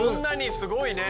すごいね。